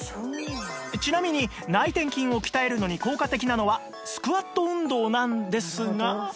ちなみに内転筋を鍛えるのに効果的なのはスクワット運動なんですが